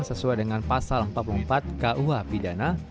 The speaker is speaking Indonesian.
sesuai dengan pasal empat puluh empat kuh pidana